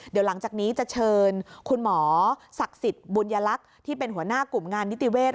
เดี๋ยวหลังจากนี้จะเชิญคุณหมอศักดิ์สิทธิ์บุญยลักษณ์ที่เป็นหัวหน้ากลุ่มงานนิติเวศ